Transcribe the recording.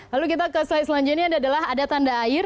lalu kita ke slide selanjutnya ini adalah ada tanda air